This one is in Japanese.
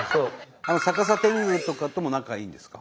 あの逆さ天狗とかとも仲いいんですか？